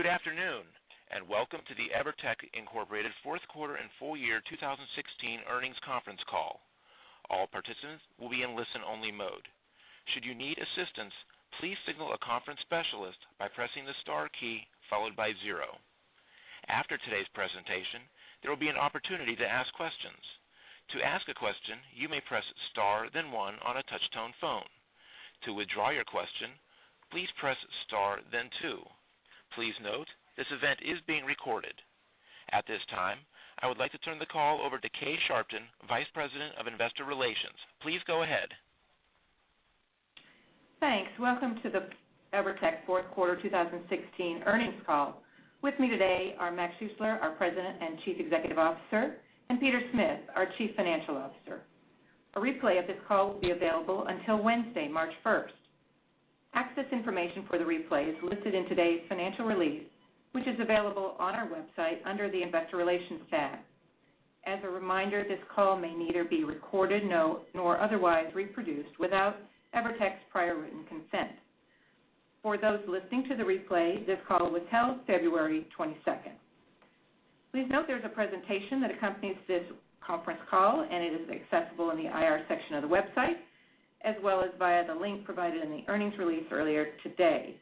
Good afternoon, welcome to the EVERTEC, Inc. fourth quarter and full year 2016 earnings conference call. All participants will be in listen-only mode. Should you need assistance, please signal a conference specialist by pressing the star key followed by zero. After today's presentation, there will be an opportunity to ask questions. To ask a question, you may press star, then one on a touch-tone phone. To withdraw your question, please press star, then two. Please note, this event is being recorded. At this time, I would like to turn the call over to Kay Sharpton, Vice President of Investor Relations. Please go ahead. Thanks. Welcome to the EVERTEC fourth quarter 2016 earnings call. With me today are Morgan Schuessler, our President and Chief Executive Officer, and Peter Smith, our Chief Financial Officer. A replay of this call will be available until Wednesday, March 1st. Access information for the replay is listed in today's financial release, which is available on our website under the investor relations tab. As a reminder, this call may neither be recorded nor otherwise reproduced without EVERTEC's prior written consent. For those listening to the replay, this call will be held February 22nd. Please note there's a presentation that accompanies this conference call. It is accessible in the IR section of the website, as well as via the link provided in the earnings release earlier today.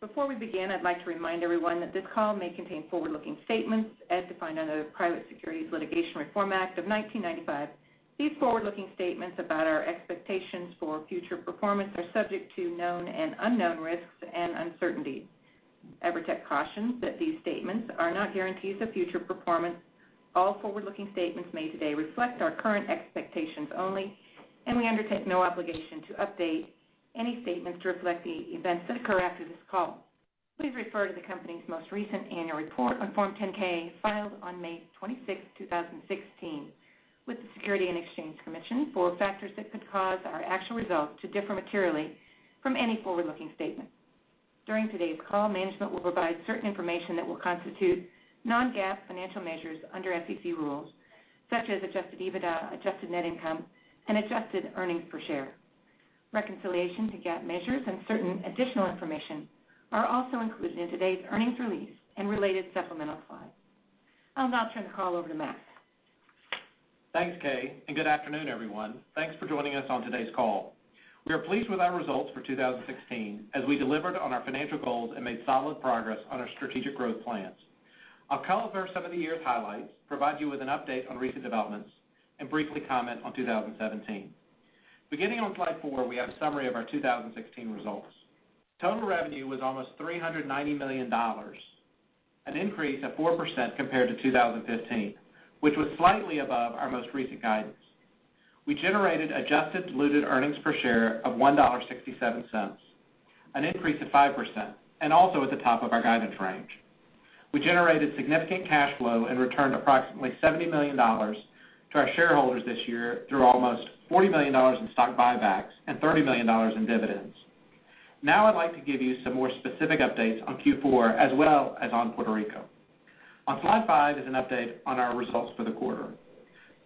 Before we begin, I'd like to remind everyone that this call may contain forward-looking statements as defined under the Private Securities Litigation Reform Act of 1995. These forward-looking statements about our expectations for future performance are subject to known and unknown risks and uncertainties. EVERTEC cautions that these statements are not guarantees of future performance. All forward-looking statements made today reflect our current expectations only. We undertake no obligation to update any statements to reflect the events that occur after this call. Please refer to the company's most recent annual report on Form 10-K, filed on May 26th, 2016, with the Securities and Exchange Commission for factors that could cause our actual results to differ materially from any forward-looking statement. During today's call, management will provide certain information that will constitute non-GAAP financial measures under SEC rules, such as adjusted EBITDA, adjusted net income, and adjusted earnings per share. Reconciliation to GAAP measures and certain additional information are also included in today's earnings release and related supplemental slides. I'll now turn the call over to Morgan. Thanks, Kay, and good afternoon, everyone. Thanks for joining us on today's call. We are pleased with our results for 2016 as we delivered on our financial goals and made solid progress on our strategic growth plans. I'll cover some of the year's highlights, provide you with an update on recent developments, and briefly comment on 2017. Beginning on slide four, we have a summary of our 2016 results. Total revenue was almost $390 million, an increase of 4% compared to 2015, which was slightly above our most recent guidance. We generated adjusted diluted earnings per share of $1.67, an increase of 5%, and also at the top of our guidance range. We generated significant cash flow and returned approximately $70 million to our shareholders this year through almost $40 million in stock buybacks and $30 million in dividends. Now I'd like to give you some more specific updates on Q4 as well as on Puerto Rico. On slide five is an update on our results for the quarter.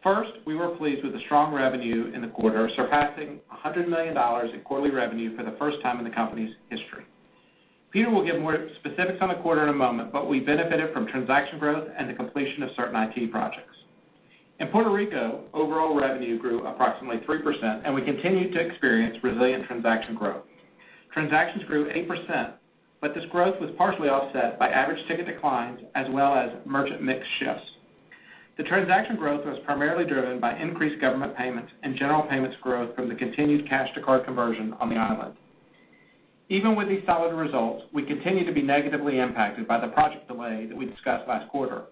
First, we were pleased with the strong revenue in the quarter, surpassing $100 million in quarterly revenue for the first time in the company's history. Peter will give more specifics on the quarter in a moment, but we benefited from transaction growth and the completion of certain IT projects. In Puerto Rico, overall revenue grew approximately 3%, and we continued to experience resilient transaction growth. Transactions grew 8%, but this growth was partially offset by average ticket declines as well as merchant mix shifts. The transaction growth was primarily driven by increased government payments and general payments growth from the continued cash to card conversion on the island. Even with these solid results, we continue to be negatively impacted by the project delay that we discussed last quarter.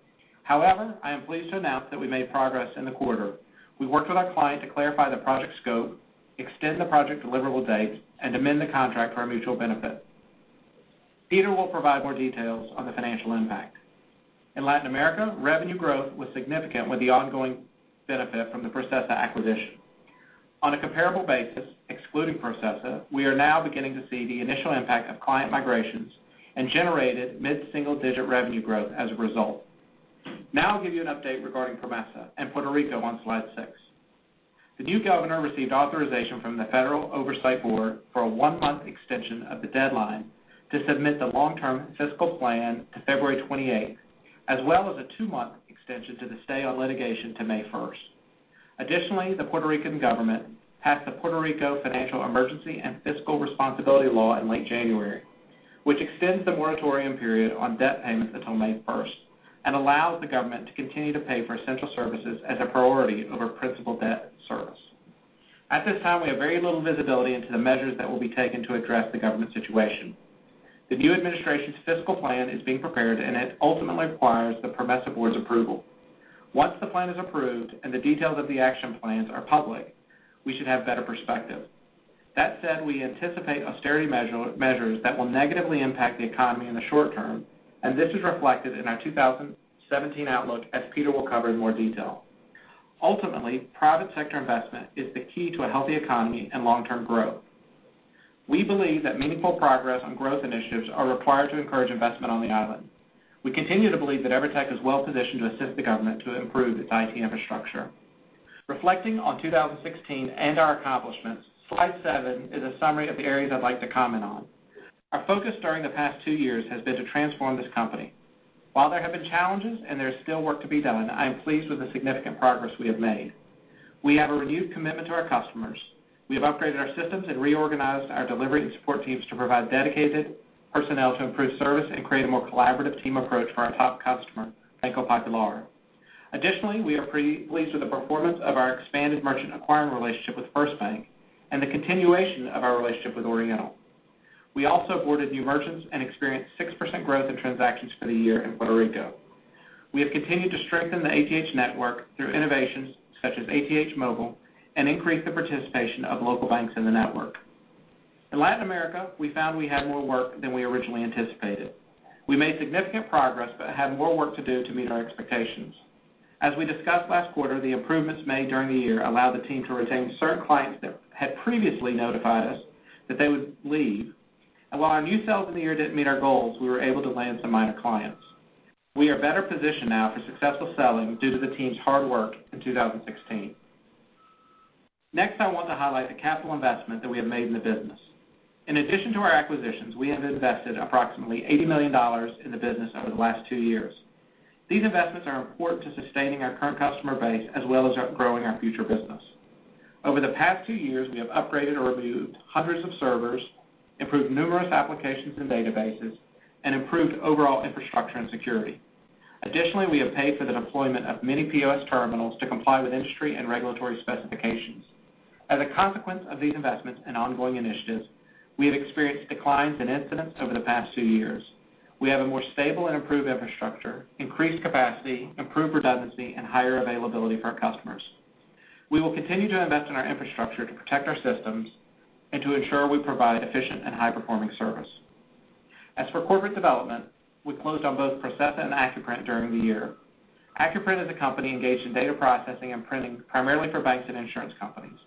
However, I am pleased to announce that we made progress in the quarter. We worked with our client to clarify the project scope, extend the project deliverable dates, and amend the contract for our mutual benefit. Peter will provide more details on the financial impact. In Latin America, revenue growth was significant with the ongoing benefit from the Processa acquisition. On a comparable basis, excluding Processa, we are now beginning to see the initial impact of client migrations and generated mid-single-digit revenue growth as a result. Now I'll give you an update regarding PROMESA and Puerto Rico on slide six. The new governor received authorization from the Federal Oversight Board for a one-month extension of the deadline to submit the long-term fiscal plan to February 28th, as well as a two-month extension to the stay on litigation to May 1st. Additionally, the Puerto Rican government passed the Puerto Rico Financial Emergency and Fiscal Responsibility Act in late January, which extends the moratorium period on debt payments until May 1st and allows the government to continue to pay for essential services as a priority over principal debt service. At this time, we have very little visibility into the measures that will be taken to address the government situation. The new administration's fiscal plan is being prepared, and it ultimately requires the PROMESA board's approval. Once the plan is approved and the details of the action plans are public, we should have better perspective. That said, we anticipate austerity measures that will negatively impact the economy in the short term, and this is reflected in our 2017 outlook, as Peter will cover in more detail. Ultimately, private sector investment is the key to a healthy economy and long-term growth. We believe that meaningful progress on growth initiatives are required to encourage investment on the island. We continue to believe that EVERTEC is well-positioned to assist the government to improve its IT infrastructure. Reflecting on 2016 and our accomplishments, slide seven is a summary of the areas I'd like to comment on. Our focus during the past two years has been to transform this company. While there have been challenges, and there's still work to be done, I am pleased with the significant progress we have made. We have a renewed commitment to our customers. We have upgraded our systems and reorganized our delivery and support teams to provide dedicated personnel to improve service and create a more collaborative team approach for our top customer, Banco Popular. Additionally, we are pleased with the performance of our expanded merchant acquiring relationship with FirstBank and the continuation of our relationship with Oriental. We also boarded new merchants and experienced 6% growth in transactions for the year in Puerto Rico. We have continued to strengthen the ATH network through innovations such as ATH Móvil and increased the participation of local banks in the network. In Latin America, we found we had more work than we originally anticipated. We made significant progress, but have more work to do to meet our expectations. As we discussed last quarter, the improvements made during the year allowed the team to retain certain clients that had previously notified us that they would leave. While our new sales in the year didn't meet our goals, we were able to land some minor clients. We are better positioned now for successful selling due to the team's hard work in 2016. Next, I want to highlight the capital investment that we have made in the business. In addition to our acquisitions, we have invested approximately $80 million in the business over the last two years. These investments are important to sustaining our current customer base as well as growing our future business. Over the past two years, we have upgraded or renewed hundreds of servers, improved numerous applications and databases, and improved overall infrastructure and security. Additionally, we have paid for the deployment of many POS terminals to comply with industry and regulatory specifications. As a consequence of these investments and ongoing initiatives, we have experienced declines in incidents over the past two years. We have a more stable and improved infrastructure, increased capacity, improved redundancy, and higher availability for our customers. We will continue to invest in our infrastructure to protect our systems and to ensure we provide efficient and high-performing service. As for corporate development, we closed on both Processa and Accuprint during the year. Accuprint is a company engaged in data processing and printing primarily for banks and insurance companies.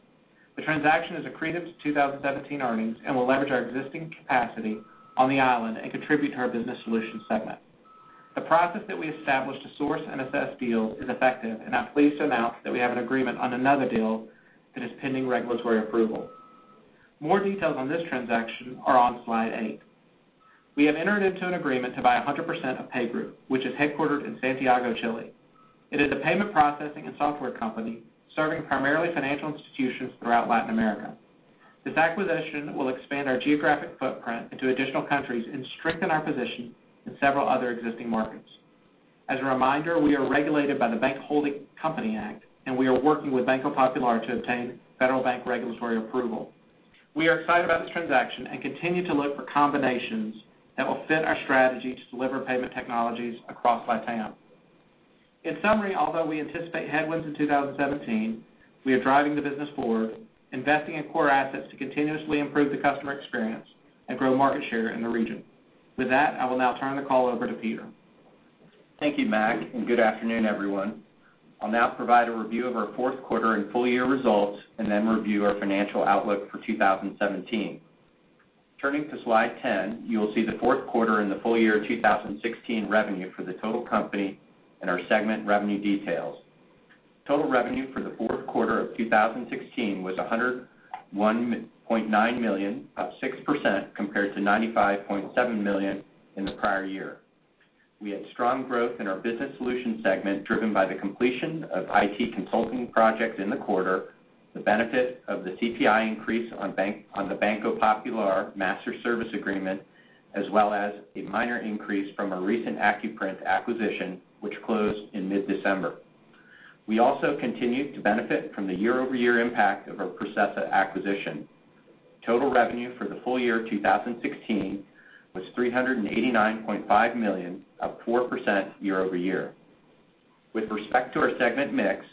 The transaction is accretive to 2017 earnings and will leverage our existing capacity on the island and contribute to our business solution segment. The process that we established to source and assess deals is effective, and I'm pleased to announce that we have an agreement on another deal that is pending regulatory approval. More details on this transaction are on slide eight. We have entered into an agreement to buy 100% of PayGroup, which is headquartered in Santiago, Chile. It is a payment processing and software company serving primarily financial institutions throughout Latin America. This acquisition will expand our geographic footprint into additional countries and strengthen our position in several other existing markets. As a reminder, we are regulated by the Bank Holding Company Act, and we are working with Banco Popular to obtain federal bank regulatory approval. We are excited about this transaction and continue to look for combinations that will fit our strategy to deliver payment technologies across LATAM. In summary, although we anticipate headwinds in 2017, we are driving the business forward, investing in core assets to continuously improve the customer experience and grow market share in the region. With that, I will now turn the call over to Peter. Thank you, Morgan, and good afternoon, everyone. I'll now provide a review of our fourth quarter and full-year results and then review our financial outlook for 2017. Turning to slide 10, you will see the fourth quarter and the full-year 2016 revenue for the total company and our segment revenue details. Total revenue for the fourth quarter of 2016 was $101.9 million, up 6% compared to $95.7 million in the prior year. We had strong growth in our business solution segment driven by the completion of IT consulting projects in the quarter, the benefit of the CPI increase on the Banco Popular master service agreement, as well as a minor increase from our recent Accuprint acquisition, which closed in mid-December. We also continued to benefit from the year-over-year impact of our Processa acquisition. Total revenue for the full year 2016 was $389.5 million, up 4% year over year. With respect to our segment mix,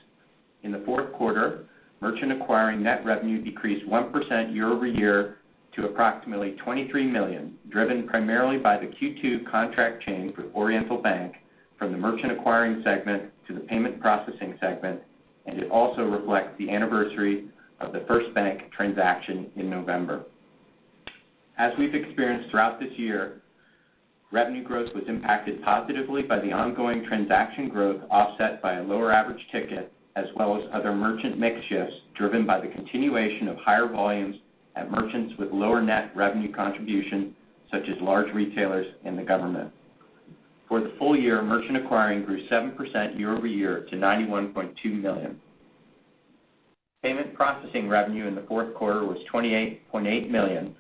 in the fourth quarter, merchant acquiring net revenue decreased 1% year over year to approximately $23 million, driven primarily by the Q2 contract change with Oriental Bank from the merchant acquiring segment to the payment processing segment, and it also reflects the anniversary of the FirstBank transaction in November. As we've experienced throughout this year, revenue growth was impacted positively by the ongoing transaction growth, offset by a lower average ticket, as well as other merchant mix shifts driven by the continuation of higher volumes at merchants with lower net revenue contribution, such as large retailers and the government. For the full year, merchant acquiring grew 7% year over year to $91.2 million. Payment processing revenue in the fourth quarter was $28.8 million,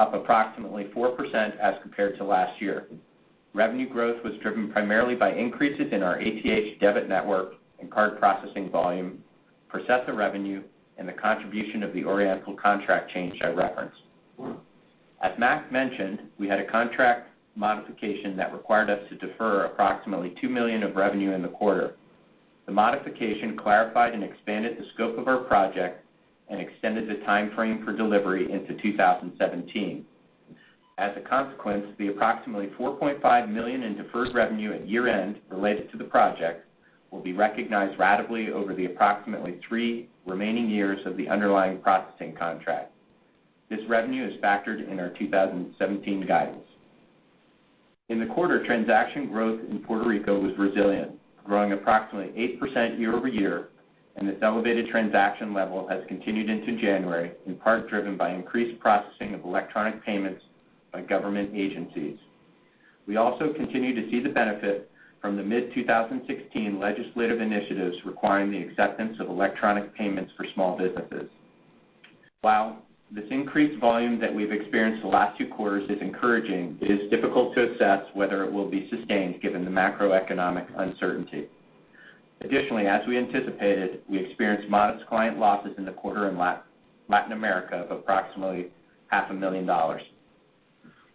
up approximately 4% as compared to last year. Revenue growth was driven primarily by increases in our ATH debit network and card processing volume, Processa revenue, and the contribution of the Oriental contract change I referenced. As Mac mentioned, we had a contract modification that required us to defer approximately $2 million of revenue in the quarter. The modification clarified and expanded the scope of our project and extended the timeframe for delivery into 2017. As a consequence, the approximately $4.5 million in deferred revenue at year-end related to the project will be recognized ratably over the approximately three remaining years of the underlying processing contract. This revenue is factored in our 2017 guidance. In the quarter, transaction growth in Puerto Rico was resilient, growing approximately 8% year-over-year, and this elevated transaction level has continued into January, in part driven by increased processing of electronic payments by government agencies. We also continue to see the benefit from the mid-2016 legislative initiatives requiring the acceptance of electronic payments for small businesses. While this increased volume that we've experienced the last two quarters is encouraging, it is difficult to assess whether it will be sustained given the macroeconomic uncertainty. Additionally, as we anticipated, we experienced modest client losses in the quarter in Latin America of approximately half a million dollars.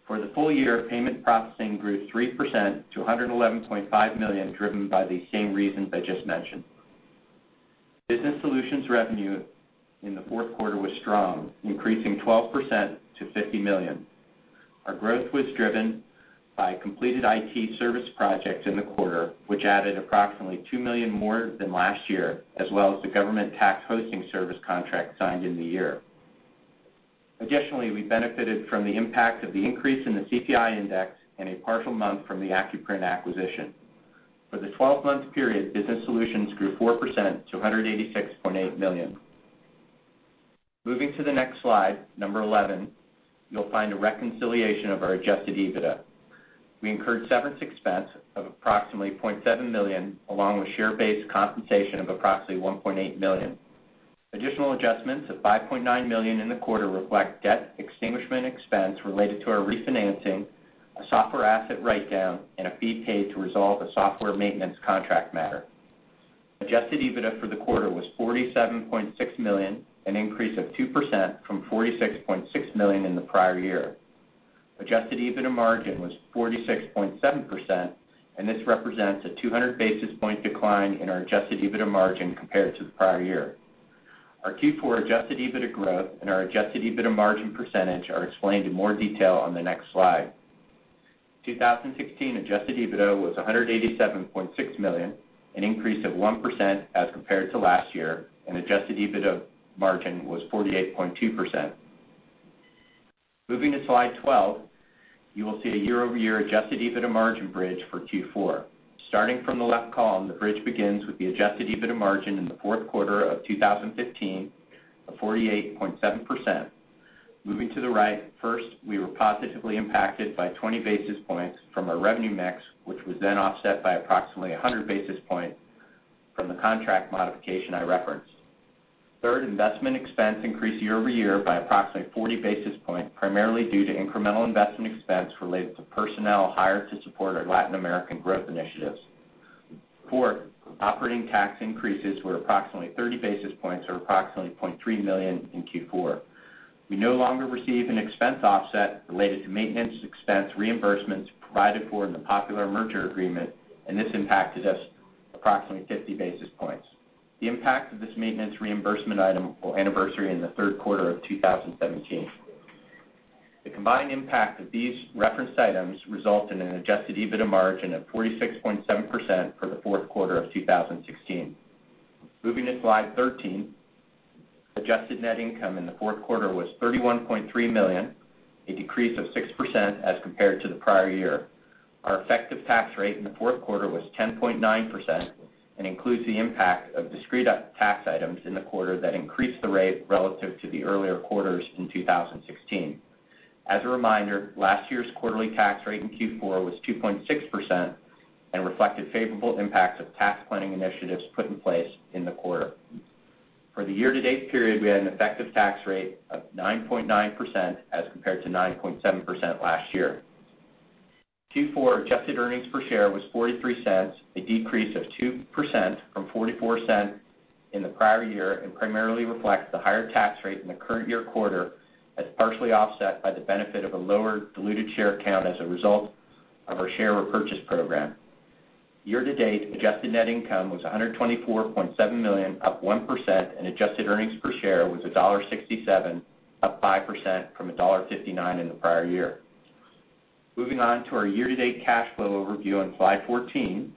For the full year, payment processing grew 3% to $111.5 million, driven by the same reasons I just mentioned. Business solutions revenue in the fourth quarter was strong, increasing 12% to $50 million. Our growth was driven by completed IT service projects in the quarter, which added approximately $2 million more than last year, as well as the government tax hosting service contract signed in the year. Additionally, we benefited from the impact of the increase in the CPI index and a partial month from the Accuprint acquisition. For the 12-month period, business solutions grew 4% to $186.8 million. Moving to the next slide, number 11, you'll find a reconciliation of our adjusted EBITDA. We incurred severance expense of approximately $0.7 million, along with share-based compensation of approximately $1.8 million. Additional adjustments of $5.9 million in the quarter reflect debt extinguishment expense related to our refinancing, a software asset write-down, and a fee paid to resolve a software maintenance contract matter. Adjusted EBITDA for the quarter was $47.6 million, an increase of 2% from $46.6 million in the prior year. Adjusted EBITDA margin was 46.7%, and this represents a 200-basis point decline in our adjusted EBITDA margin compared to the prior year. Our Q4 adjusted EBITDA growth and our adjusted EBITDA margin percentage are explained in more detail on the next slide. 2016 adjusted EBITDA was $187.6 million, an increase of 1% as compared to last year, and adjusted EBITDA margin was 48.2%. Moving to slide 12, you will see a year-over-year adjusted EBITDA margin bridge for Q4. Starting from the left column, the bridge begins with the adjusted EBITDA margin in the fourth quarter of 2015 of 48.7%. Moving to the right, first, we were positively impacted by 20 basis points from our revenue mix, which was then offset by approximately 100 basis points from the contract modification I referenced. Third, investment expense increased year-over-year by approximately 40 basis points, primarily due to incremental investment expense related to personnel hired to support our Latin American growth initiatives. Fourth, operating tax increases were approximately 30 basis points or approximately $0.3 million in Q4. We no longer receive an expense offset related to maintenance expense reimbursements provided for in the Popular merger agreement, and this impacted us approximately 50 basis points. The impact of this maintenance reimbursement item will anniversary in the third quarter of 2017. The combined impact of these referenced items result in an adjusted EBITDA margin of 46.7% for the fourth quarter of 2016. Moving to slide 13, adjusted net income in the fourth quarter was $31.3 million, a decrease of 6% as compared to the prior year. Our effective tax rate in the fourth quarter was 10.9% and includes the impact of discrete tax items in the quarter that increased the rate relative to the earlier quarters in 2016. As a reminder, last year's quarterly tax rate in Q4 was 2.6% and reflected favorable impacts of tax planning initiatives put in place in the quarter. For the year-to-date period, we had an effective tax rate of 9.9% as compared to 9.7% last year. Q4 adjusted earnings per share was $0.43, a decrease of 2% from $0.44 in the prior year and primarily reflects the higher tax rate in the current year quarter as partially offset by the benefit of a lower diluted share count as a result of our share repurchase program. Year-to-date adjusted net income was $124.7 million, up 1%, and adjusted earnings per share was $1.67, up 5% from $1.59 in the prior year. Moving on to our year-to-date cash flow overview on slide 14.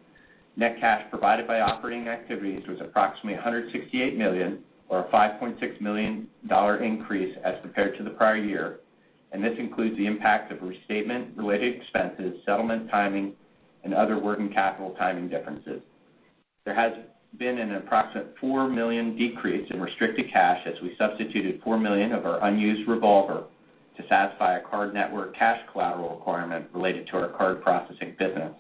Net cash provided by operating activities was approximately $168 million, or a $5.6 million increase as compared to the prior year, and this includes the impact of restatement related expenses, settlement timing, and other working capital timing differences. There has been an approximate $4 million decrease in restricted cash as we substituted $4 million of our unused revolver to satisfy a card network cash collateral requirement related to our card processing business.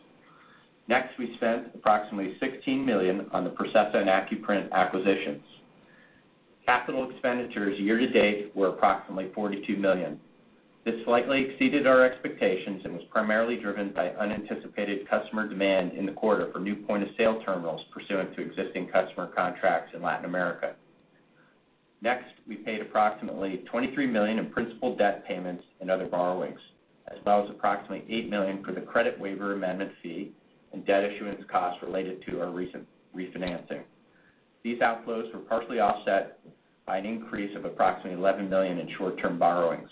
We spent approximately $16 million on the Processa and Accuprint acquisitions. Capital expenditures year-to-date were approximately $42 million. This slightly exceeded our expectations and was primarily driven by unanticipated customer demand in the quarter for new point-of-sale terminals pursuant to existing customer contracts in Latin America. We paid approximately $23 million in principal debt payments and other borrowings, as well as approximately $8 million for the credit waiver amendment fee and debt issuance costs related to our recent refinancing. These outflows were partially offset by an increase of approximately $11 million in short-term borrowings.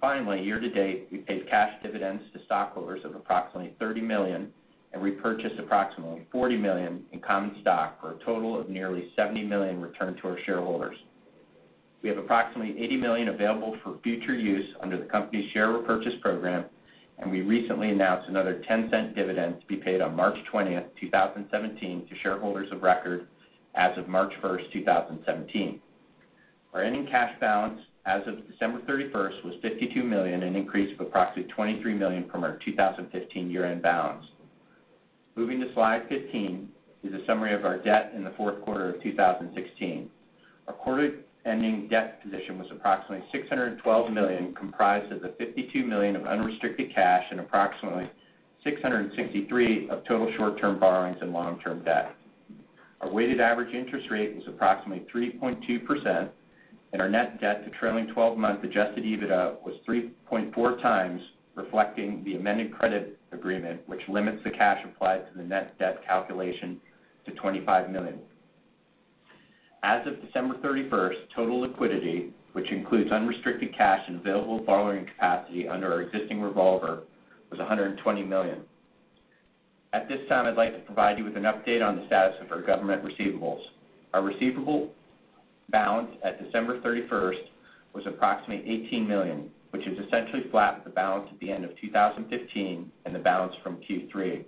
Finally, year-to-date, we paid cash dividends to stockholders of approximately $30 million and repurchased approximately $40 million in common stock for a total of nearly $70 million returned to our shareholders. We have approximately $80 million available for future use under the company's share repurchase program, and we recently announced another $0.10 dividend to be paid on March 20th, 2017, to shareholders of record as of March 1st, 2017. Our ending cash balance as of December 31st was $52 million, an increase of approximately $23 million from our 2015 year-end balance. Moving to slide 15 is a summary of our debt in the fourth quarter of 2016. Our quarter-ending debt position was approximately $612 million, comprised of the $52 million of unrestricted cash and approximately $663 of total short-term borrowings and long-term debt. Our weighted average interest rate was approximately 3.2%, and our net debt to trailing 12-month adjusted EBITDA was 3.4 times, reflecting the amended credit agreement, which limits the cash applied to the net debt calculation to $25 million. As of December 31st, total liquidity, which includes unrestricted cash and available borrowing capacity under our existing revolver, was $120 million. At this time, I'd like to provide you with an update on the status of our government receivables. Our receivable balance at December 31st was approximately $18 million, which is essentially flat with the balance at the end of 2015 and the balance from Q3.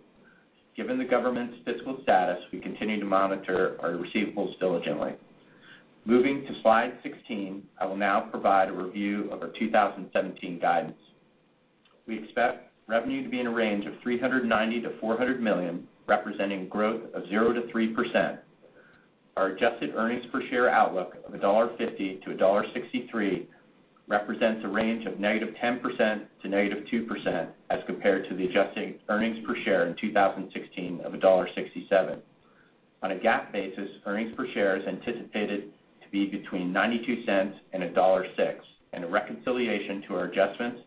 Given the government's fiscal status, we continue to monitor our receivables diligently. Moving to slide 16, I will now provide a review of our 2017 guidance. We expect revenue to be in a range of $390 million-$400 million, representing growth of 0%-3%. Our adjusted earnings per share outlook of $1.50-$1.63 represents a range of -10% to -2% as compared to the adjusted earnings per share in 2016 of $1.67. On a GAAP basis, earnings per share is anticipated to be between $0.92 and $1.06, and a reconciliation to our adjustments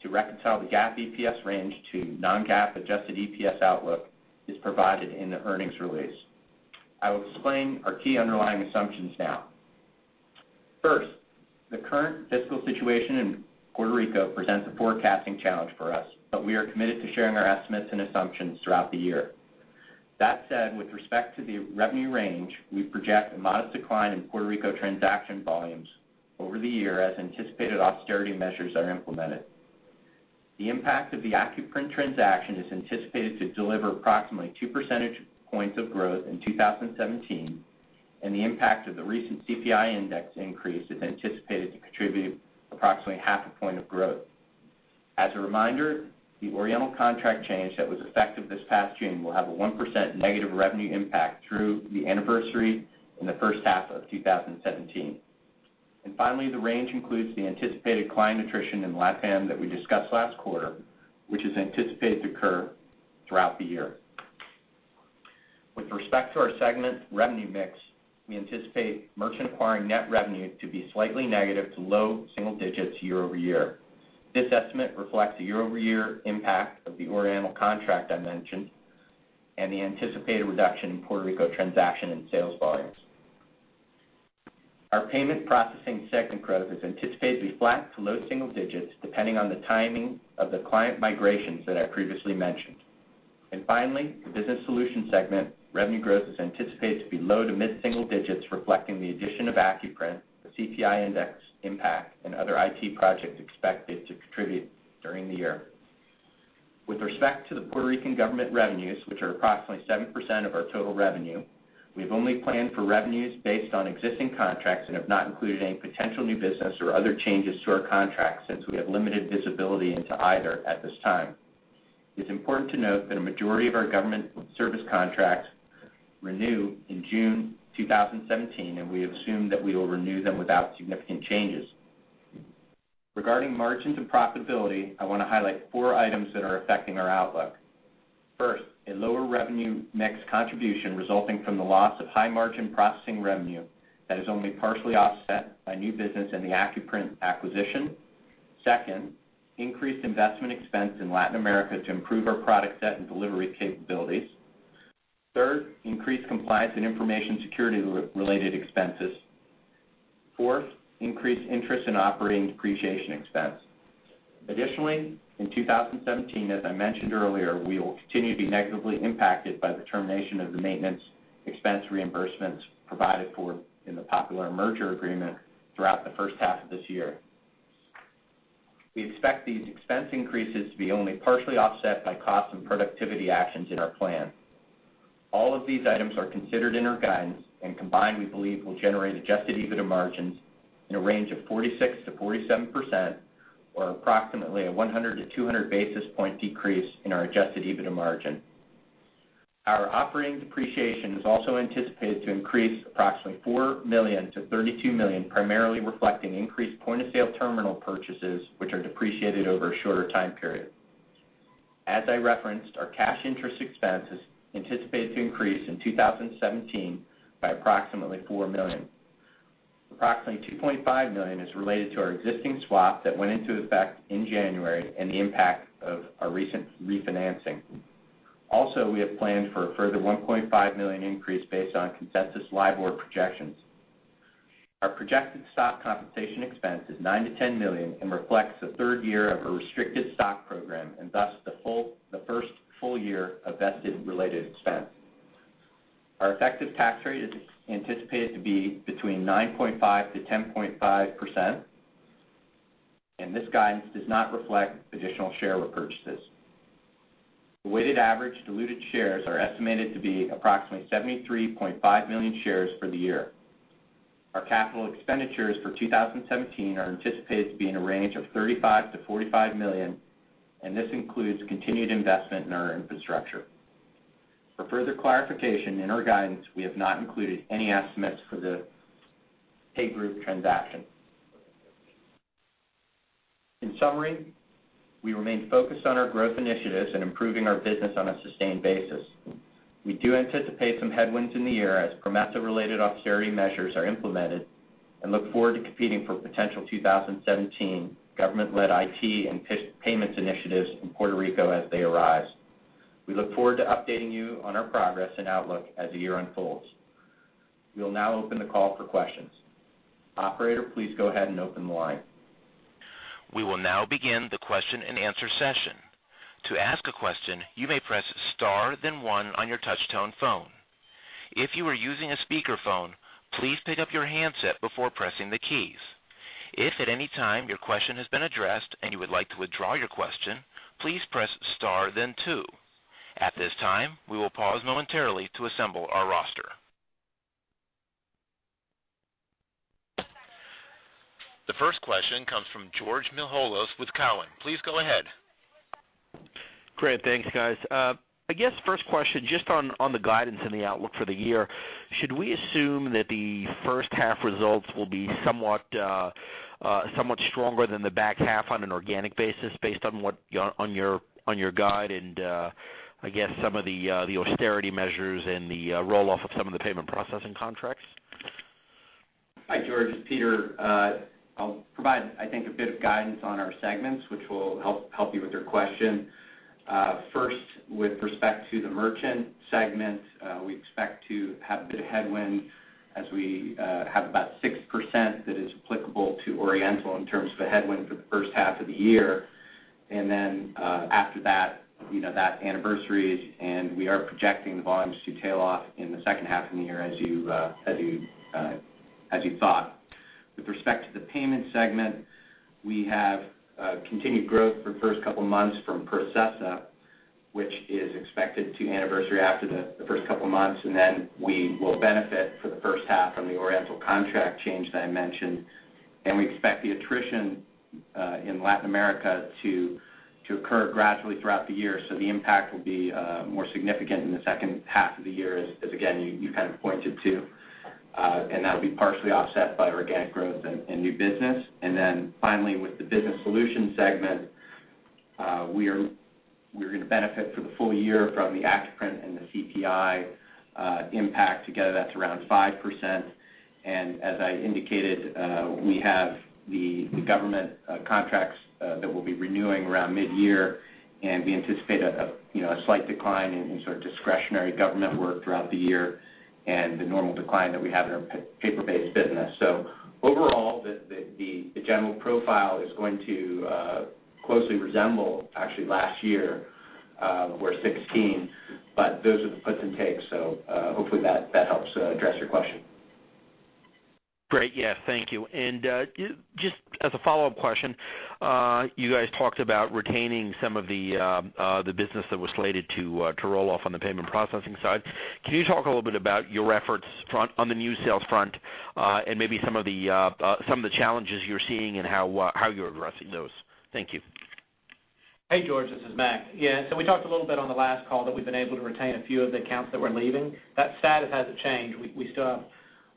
to reconcile the GAAP EPS range to non-GAAP adjusted EPS outlook is provided in the earnings release. I will explain our key underlying assumptions now. First, the current fiscal situation in Puerto Rico presents a forecasting challenge for us, but we are committed to sharing our estimates and assumptions throughout the year. That said, with respect to the revenue range, we project a modest decline in Puerto Rico transaction volumes over the year as anticipated austerity measures are implemented. The impact of the Accuprint transaction is anticipated to deliver approximately two percentage points of growth in 2017, and the impact of the recent CPI index increase is anticipated to contribute approximately half a point of growth. As a reminder, the Oriental contract change that was effective this past June will have a 1% negative revenue impact through the anniversary in the first half of 2017. Finally, the range includes the anticipated client attrition in LATAM that we discussed last quarter, which is anticipated to occur throughout the year. With respect to our segment revenue mix, we anticipate merchant acquiring net revenue to be slightly negative to low single digits year-over-year. This estimate reflects the year-over-year impact of the Oriental contract I mentioned and the anticipated reduction in Puerto Rico transaction and sales volumes. Our payment processing segment growth is anticipated to be flat to low single digits, depending on the timing of the client migrations that I previously mentioned. Finally, the business solutions segment revenue growth is anticipated to be low to mid-single digits, reflecting the addition of Accuprint, the CPI index impact, and other IT projects expected to contribute during the year. With respect to the Puerto Rican government revenues, which are approximately 7% of our total revenue, we have only planned for revenues based on existing contracts and have not included any potential new business or other changes to our contracts since we have limited visibility into either at this time. It's important to note that a majority of our government service contracts renew in June 2017, and we assume that we will renew them without significant changes. Regarding margins and profitability, I want to highlight four items that are affecting our outlook. First, a lower revenue mix contribution resulting from the loss of high-margin processing revenue that is only partially offset by new business and the Accuprint acquisition. Second, increased investment expense in Latin America to improve our product set and delivery capabilities. Third, increased compliance and information security-related expenses. Fourth, increased interest in operating depreciation expense. Additionally, in 2017, as I mentioned earlier, we will continue to be negatively impacted by the termination of the maintenance expense reimbursements provided for in the Banco Popular merger agreement throughout the first half of this year. We expect these expense increases to be only partially offset by cost and productivity actions in our plan. All of these items are considered in our guidance and combined we believe will generate adjusted EBITDA margins in a range of 46%-47%, or approximately a 100 to 200 basis point decrease in our adjusted EBITDA margin. Our operating depreciation is also anticipated to increase approximately $4 million-$32 million, primarily reflecting increased point-of-sale terminal purchases which are depreciated over a shorter time period. As I referenced, our cash interest expense is anticipated to increase in 2017 by approximately $4 million. Approximately $2.5 million is related to our existing swap that went into effect in January and the impact of our recent refinancing. Also, we have planned for a further $1.5 million increase based on consensus LIBOR projections. Our projected stock compensation expense is $9 million-$10 million and reflects the third year of a restricted stock program, and thus the first full year of vested related expense. Our effective tax rate is anticipated to be between 9.5%-10.5%, and this guidance does not reflect additional share repurchases. The weighted average diluted shares are estimated to be approximately 73.5 million shares for the year. Our capital expenditures for 2017 are anticipated to be in a range of $35 million-$45 million, and this includes continued investment in our infrastructure. For further clarification, in our guidance, we have not included any estimates for the PayGroup transaction. In summary, we remain focused on our growth initiatives and improving our business on a sustained basis. We do anticipate some headwinds in the year as PROMESA-related austerity measures are implemented and look forward to competing for potential 2017 government-led IT and payments initiatives in Puerto Rico as they arise. We look forward to updating you on our progress and outlook as the year unfolds. We'll now open the call for questions. Operator, please go ahead and open the line. We will now begin the question and answer session. To ask a question, you may press star then one on your touch tone phone. If you are using a speakerphone, please pick up your handset before pressing the keys. If at any time your question has been addressed and you would like to withdraw your question, please press star then two. At this time, we will pause momentarily to assemble our roster. The first question comes from Georgios Mihalos with Cowen. Please go ahead. Great. Thanks, guys. I guess first question, just on the guidance and the outlook for the year, should we assume that the first half results will be somewhat stronger than the back half on an organic basis based on your guide and I guess some of the austerity measures and the roll-off of some of the payment processing contracts? Hi, George. It's Peter. I'll provide, I think, a bit of guidance on our segments, which will help you with your question. First, with respect to the merchant segment, we expect to have a bit of headwind as we have about 6% that is applicable to Oriental in terms of a headwind for the first half of the year. Then after that anniversary and we are projecting the volumes to tail off in the second half of the year as you thought. With respect to the payment segment, we have continued growth for the first couple of months from Processa, which is expected to anniversary after the first couple of months, and then we will benefit for the first half from the Oriental contract change that I mentioned. We expect the attrition in Latin America to occur gradually throughout the year, the impact will be more significant in the second half of the year as again, you kind of pointed to. That'll be partially offset by organic growth and new business. Then finally, with the business solutions segment, we're going to benefit for the full year from the Accuprint and the CPI impact. Together, that's around 5%. As I indicated, we have the government contracts that we'll be renewing around mid-year, and we anticipate a slight decline in sort of discretionary government work throughout the year and the normal decline that we have in our paper-based business. Overall, the general profile is going to closely resemble actually last year or 2016. Those are the puts and takes, hopefully that helps address your question. Great. Yeah, thank you. Just as a follow-up question, you guys talked about retaining some of the business that was slated to roll off on the payment processing side. Can you talk a little bit about your efforts on the new sales front and maybe some of the challenges you're seeing and how you're addressing those? Thank you. Hey, George. This is Mac. Yeah. We talked a little bit on the last call that we've been able to retain a few of the accounts that we're leaving. That status hasn't changed. We still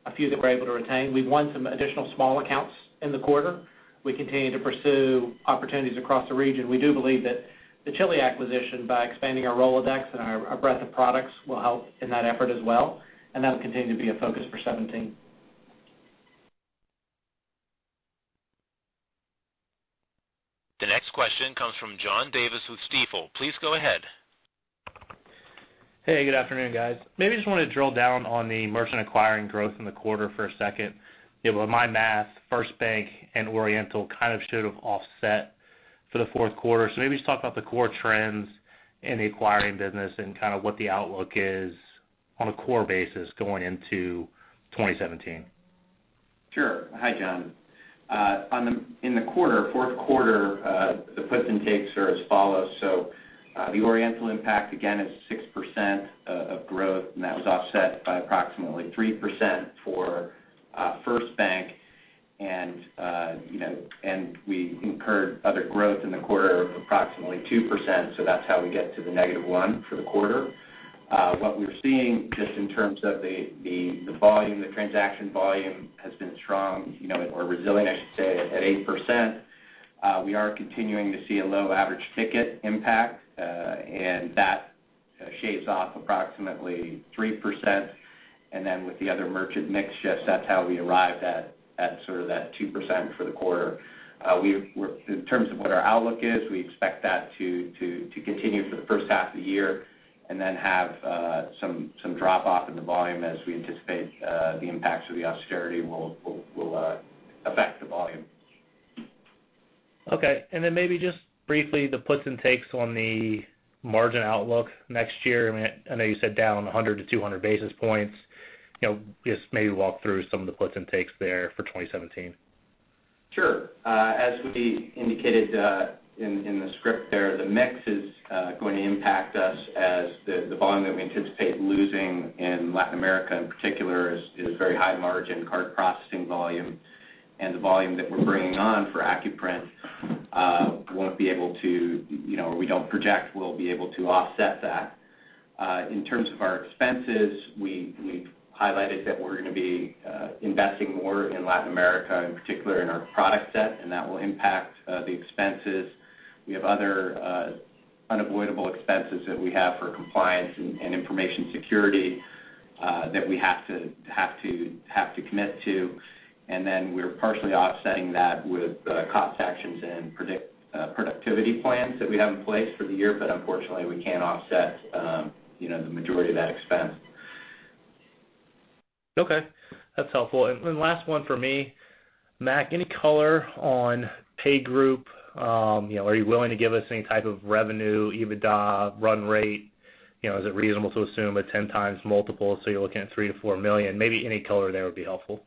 have a few that we're able to retain. We've won some additional small accounts in the quarter. We continue to pursue opportunities across the region. We do believe that the Chile acquisition, by expanding our Rolodex and our breadth of products, will help in that effort as well, and that'll continue to be a focus for 2017. The next question comes from John Davis with Stifel. Please go ahead. Hey, good afternoon, guys. Maybe just want to drill down on the merchant acquiring growth in the quarter for a second. By my math, FirstBank and Oriental kind of should have offset for the fourth quarter. Maybe just talk about the core trends in the acquiring business and kind of what the outlook is on a core basis going into 2017. Sure. Hi, John. In the quarter, fourth quarter the puts and takes are as follows. The Oriental impact again is 6% of growth, that was offset by approximately 3% for FirstBank. We incurred other growth in the quarter of approximately 2%, that's how we get to the negative one for the quarter. What we're seeing just in terms of the transaction volume has been strong or resilient, I should say, at 8%. We are continuing to see a low average ticket impact that shaves off approximately 3%. With the other merchant mix shifts, that's how we arrived at that 2% for the quarter. In terms of what our outlook is, we expect that to continue for the first half of the year then have some drop-off in the volume as we anticipate the impacts of the austerity will affect the volume. Okay. Maybe just briefly, the puts and takes on the margin outlook next year. I know you said down 100 to 200 basis points. Just maybe walk through some of the puts and takes there for 2017. Sure. As we indicated in the script there, the mix is going to impact us as the volume that we anticipate losing in Latin America in particular is very high margin card processing volume. The volume that we're bringing on for Accuprint, we don't project we'll be able to offset that. In terms of our expenses, we've highlighted that we're going to be investing more in Latin America, in particular in our product set, that will impact the expenses. We have other unavoidable expenses that we have for compliance and information security that we have to commit to. We're partially offsetting that with cost actions and productivity plans that we have in place for the year. Unfortunately, we can't offset the majority of that expense. Okay, that's helpful. Last one for me, Mac, any color on PayGroup? Are you willing to give us any type of revenue, EBITDA, run rate? Is it reasonable to assume a 10 times multiple, you're looking at $3 million-$4 million? Maybe any color there would be helpful.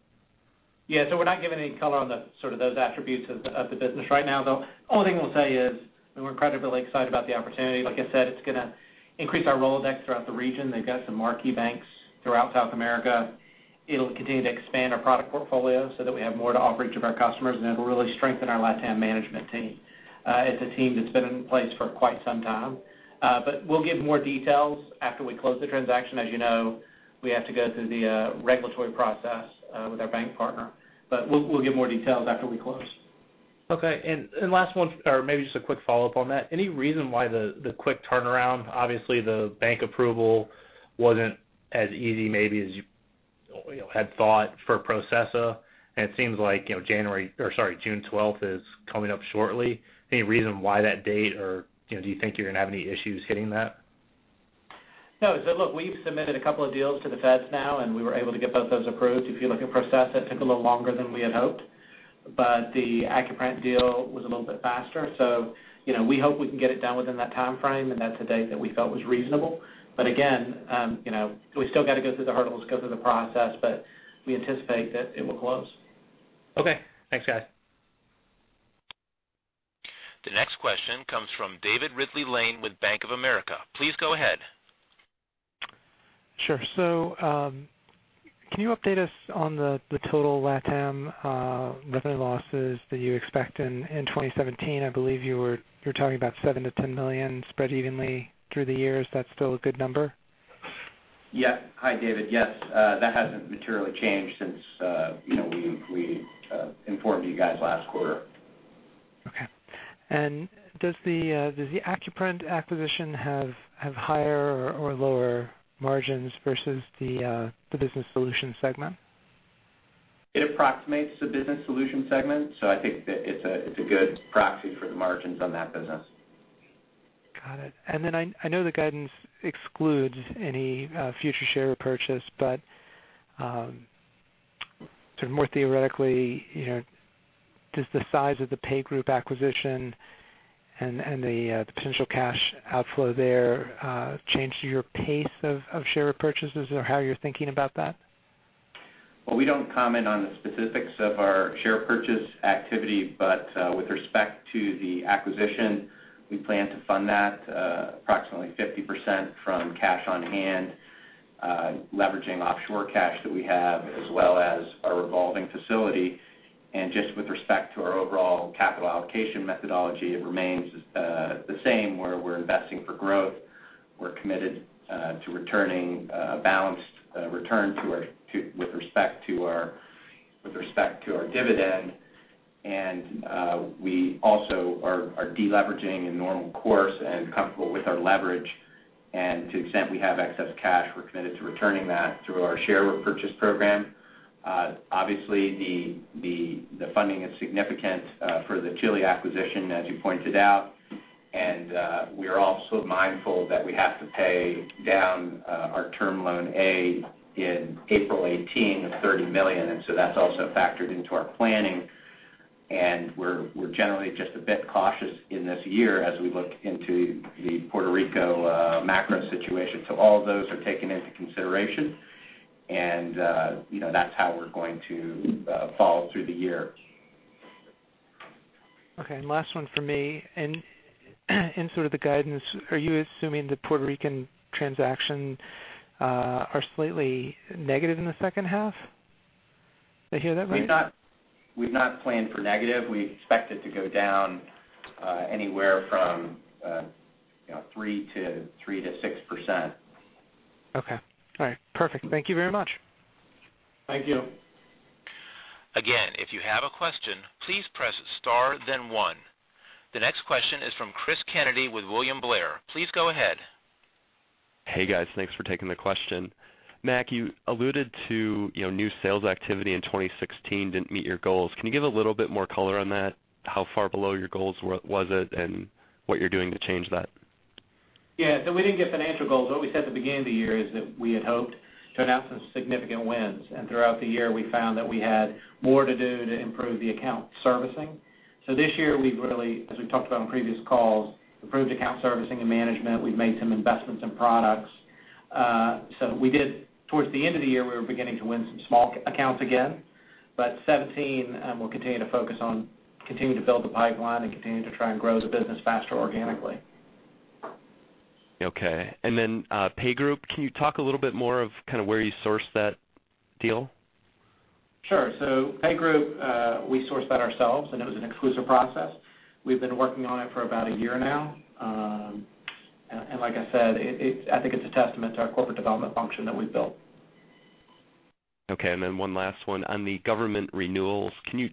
Yeah. We're not giving any color on those attributes of the business right now, though only thing we'll say is we're incredibly excited about the opportunity. Like I said, it's going to increase our Rolodex throughout the region. They've got some marquee banks throughout South America. It'll continue to expand our product portfolio so that we have more to offer each of our customers, and it'll really strengthen our LatAm management team. It's a team that's been in place for quite some time. We'll give more details after we close the transaction. As you know, we have to go through the regulatory process with our bank partner. We'll give more details after we close. Okay. Last one, or maybe just a quick follow-up on that. Any reason why the quick turnaround? Obviously, the bank approval wasn't as easy maybe as you had thought for Processa, and it seems like June 12th is coming up shortly. Any reason why that date, or do you think you're going to have any issues hitting that? No. Look, we've submitted a couple of deals to the Feds now, and we were able to get both those approved. If you look at Processa, it took a little longer than we had hoped, but the Accuprint deal was a little bit faster. We hope we can get it done within that timeframe, and that's a date that we felt was reasonable. Again, we still got to go through the hurdles, go through the process, but we anticipate that it will close. Okay. Thanks, guys. The next question comes from David Ridley-Lane with Bank of America. Please go ahead. Sure. Can you update us on the total LatAm revenue losses that you expect in 2017? I believe you were talking about $7 million-$10 million spread evenly through the years. That's still a good number? Yeah. Hi, David. Yes. That hasn't materially changed since we informed you guys last quarter. Okay. Does the Accuprint acquisition have higher or lower margins versus the business solution segment? It approximates the business solution segment. I think that it's a good proxy for the margins on that business. Got it. Then I know the guidance excludes any future share purchase, but more theoretically, does the size of the PayGroup acquisition and the potential cash outflow there change your pace of share purchases or how you're thinking about that? Well, we don't comment on the specifics of our share purchase activity, but with respect to the acquisition, we plan to fund that approximately 50% from cash on hand, leveraging offshore cash that we have, as well as our revolving facility. Just with respect to our overall capital allocation methodology, it remains the same, where we're investing for growth. We're committed to returning a balanced return with respect to our dividend. We also are de-leveraging in normal course and comfortable with our leverage. To the extent we have excess cash, we're committed to returning that through our share repurchase program. Obviously, the funding is significant for the Chile acquisition, as you pointed out. We are also mindful that we have to pay down our term loan A in April 2018 of $30 million. That's also factored into our planning, and we're generally just a bit cautious in this year as we look into the Puerto Rico macro situation. All of those are taken into consideration, and that's how we're going to follow through the year. Okay, last one for me. In the guidance, are you assuming the Puerto Rican transaction are slightly negative in the second half? Did I hear that right? We've not planned for negative. We expect it to go down anywhere from 3%-6%. Okay. All right, perfect. Thank you very much. Thank you. Again, if you have a question, please press star then one. The next question is from Cris Kennedy with William Blair. Please go ahead. Hey, guys. Thanks for taking the question. Mac, you alluded to new sales activity in 2016 didn't meet your goals. Can you give a little bit more color on that? How far below your goals was it, and what you're doing to change that? Yeah. We didn't give financial goals. What we said at the beginning of the year is that we had hoped to announce some significant wins. Throughout the year, we found that we had more to do to improve the account servicing. This year we've really, as we've talked about on previous calls, improved account servicing and management. We've made some investments in products. Towards the end of the year, we were beginning to win some small accounts again. 2017, we'll continue to focus on continuing to build the pipeline and continuing to try and grow the business faster organically. Okay. PayGroup, can you talk a little bit more of where you sourced that deal? Sure. PayGroup, we sourced that ourselves, and it was an exclusive process. We've been working on it for about one year now. Like I said, I think it's a testament to our corporate development function that we've built. Okay, one last one. On the government renewals, can you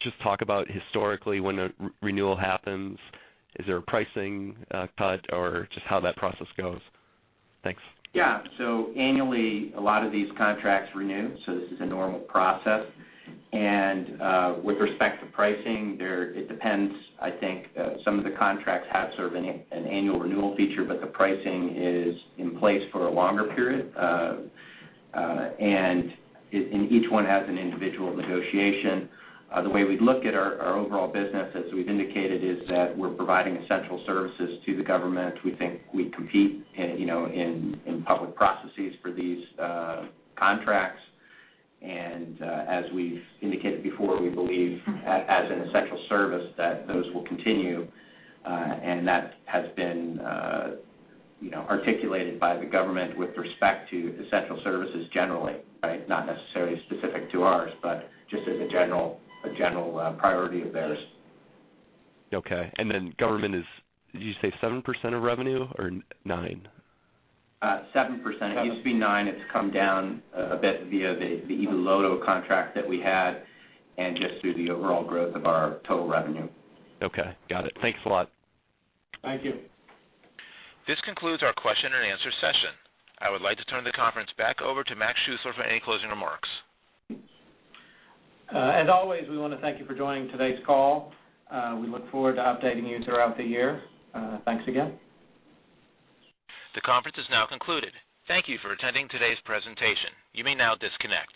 just talk about historically when a renewal happens, is there a pricing cut or just how that process goes? Thanks. Yeah. Annually, a lot of these contracts renew, this is a normal process. With respect to pricing, it depends. I think some of the contracts have sort of an annual renewal feature, but the pricing is in place for a longer period. Each one has an individual negotiation. The way we look at our overall business, as we've indicated, is that we're providing essential services to the government. We think we compete in public processes for these contracts. As we've indicated before, we believe, as an essential service, that those will continue. That has been articulated by the government with respect to essential services generally. Not necessarily specific to ours, but just as a general priority of theirs. Okay. Government is, did you say 7% of revenue or 9%? 7%. It used to be 9%. It's come down a bit via the low contract that we had and just through the overall growth of our total revenue. Okay, got it. Thanks a lot. Thank you. This concludes our question and answer session. I would like to turn the conference back over to Mac Schuessler for any closing remarks. As always, we want to thank you for joining today's call. We look forward to updating you throughout the year. Thanks again. The conference is now concluded. Thank you for attending today's presentation. You may now disconnect.